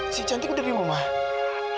si cantik udah di rumah